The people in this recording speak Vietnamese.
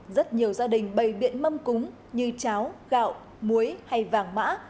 rất nhiều gia đình bày biện mâm cúng như cháo gạo muối hay vàng mã